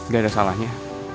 gak ada salahnya